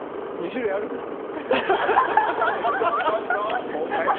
２種類あるんですか？